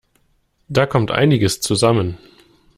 Da kommt einiges zusammen.